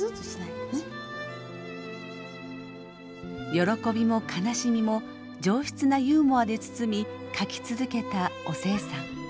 喜びも悲しみも上質なユーモアで包み書き続けたおせいさん。